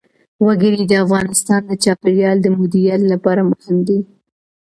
وګړي د افغانستان د چاپیریال د مدیریت لپاره مهم دي.